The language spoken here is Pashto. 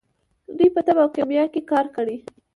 دوی په طب او کیمیا کې کار کړی.